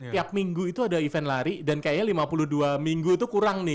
tiap minggu itu ada event lari dan kayaknya lima puluh dua minggu itu kurang nih